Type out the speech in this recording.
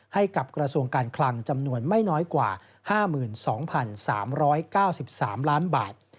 ให้กับกระทรวงการคลังจำนวนไม่น้อยกว่า๕๒๓๙๓ล้านบาท